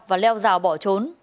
và leo rào bỏ trốn